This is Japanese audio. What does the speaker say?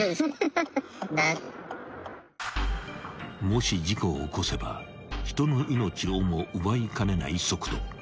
［もし事故を起こせば人の命をも奪いかねない速度］